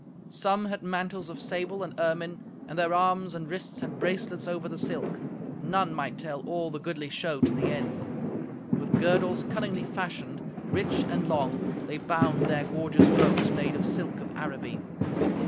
Some had mantles of sable and ermine, and their arms and wrists had bracelets over the silk; none might tell all the goodly show to the end. With girdles cunningly fashioned, rich and long, they bound their gorgeous robes made of silk of Araby.